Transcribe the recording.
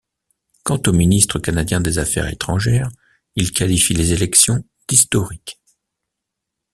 Quant au ministre canadien des Affaires étrangères, il qualifie les élections d'historiques.